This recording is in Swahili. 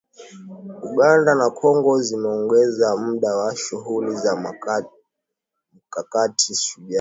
Uganda na Kongo zimeongeza muda wa shughuli za Mkakati Shujaa